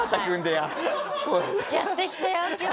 「やってきたよ今日」。